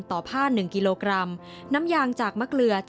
ต่อผ้า๑กิโลกรัม